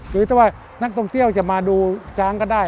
หรือว่านักท่องเที่ยวจะมาดูช้างก็ได้